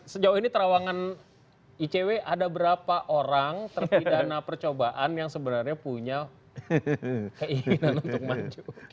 sejauh ini terawangan icw ada berapa orang terpidana percobaan yang sebenarnya punya keinginan untuk maju